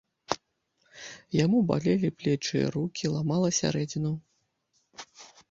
Яму балелі плечы і рукі, ламала сярэдзіну.